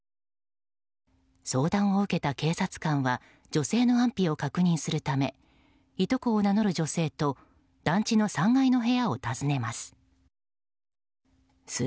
相談を受けた警察官は女性の安否を確認するためいとこと名乗る女性と団地の３階の部屋を訪ねます。